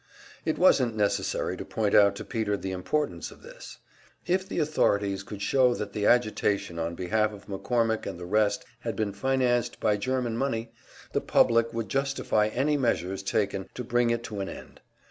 It wasn't necessary to point out to Peter the importance of this. If the authorities could show that the agitation on behalf of McCormick and the rest had been financed by German money, the public would justify any measures taken to bring it to an end.